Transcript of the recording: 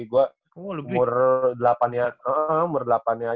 gue umur delapan ya